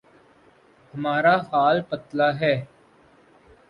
ہمارا حال پتلا ہے۔